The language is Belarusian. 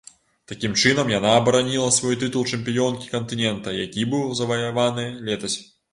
Такім чынам яна абараніла свой тытул чэмпіёнкі кантынента, які быў заваяваны летась.